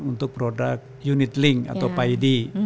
untuk produk unit link atau pid